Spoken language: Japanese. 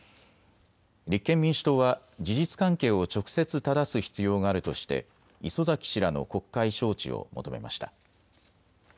立憲民主党は事実関係を直接ただす必要があるとして礒崎氏らの国会招致を求めました。